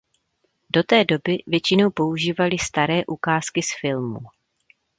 Do té doby většinou používali staré ukázky z filmů.